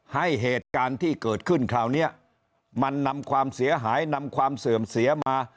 เหตุการณ์ที่เกิดขึ้นคราวนี้มันนำความเสียหายนำความเสื่อมเสียมา